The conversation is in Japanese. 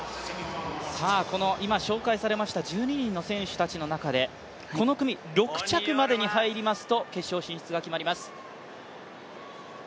この今紹介されました１２人の選手たちの中で、この組、６着までに入りますと決勝進出が決まります。